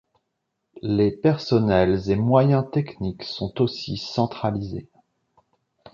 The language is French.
Les personnels et moyens techniques sont aussi centralisés.